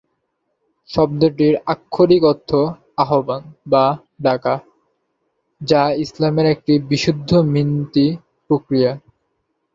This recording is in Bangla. শব্দটির আক্ষরিক অর্থ 'আহবান' বা 'ডাকা', যা ইসলামে একটি বিশুদ্ধ মিনতি প্রক্রিয়া।